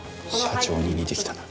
社長に似てきたな。